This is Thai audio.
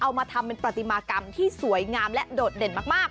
มาทำเป็นปฏิมากรรมที่สวยงามและโดดเด่นมาก